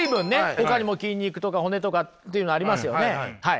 ほかにも筋肉とか骨とかっていうのありますよねはい。